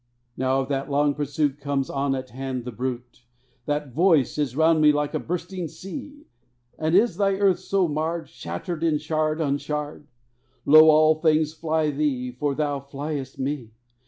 Now of that long pursuit Comes on at hand the bruit; That Voice is round me like a bursting sea: "And is thy earth so marred, Shattered in shard on shard? Lo, all things fly thee, for thou fliest Me!